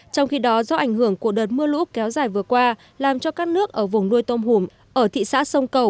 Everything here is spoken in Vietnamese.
trong khi đó do ảnh hưởng của đợt mưa lũ kéo dài vừa qua làm cho các nước ở vùng nuôi tôm hùm ở thị xã sông cầu